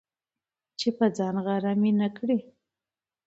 چي په ځان غره مي نه کړې،